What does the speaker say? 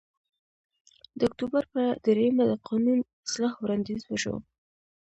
د اکتوبر په درېیمه د قانون اصلاح وړاندیز وشو